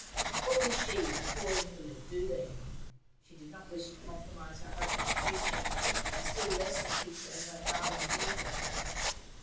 What would she, a poor invalid, do there? She did not wish to compromise her husband's future, and still less the future of her darling daughter.